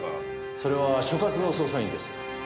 それは所轄の捜査員です。